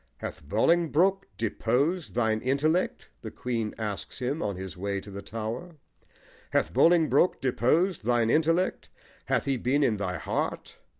"Hath Bolingbroke deposed thine intellect?" the Queen asks him, on his way to the Tower: Hath Bolingbroke Deposed thine intellect? hath he been in thy heart?